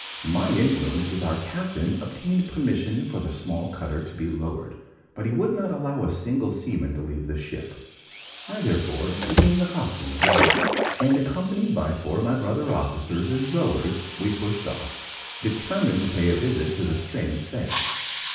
My influence with our captain obtained permission for the small cutter to be lowered, but he would not allow a single seaman to leave the ship. I therefore became coxswain of the boat, and, accompanied by four of my brother officers as rowers, we pushed off, determined to pay a visit to the strange sail.